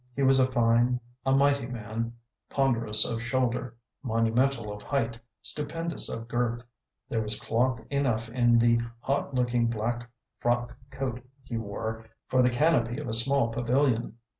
He was a fine, a mighty man, ponderous of shoulder, monumental of height, stupendous of girth; there was cloth enough in the hot looking black frock coat he wore for the canopy of a small pavilion.